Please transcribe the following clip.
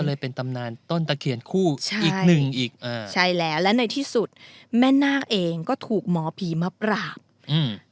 เลยเป็นตำนานต้นตะเคียนคู่ใช่อีกหนึ่งอีกอ่าใช่แล้วและในที่สุดแม่นาคเองก็ถูกหมอผีมาปราบอืม